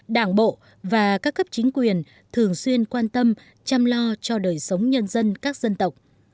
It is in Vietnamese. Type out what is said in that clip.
đảng bộ và các cấp chính quyền thường xuyên quan tâm chăm lo cho đời sống nhân dân các dân tộc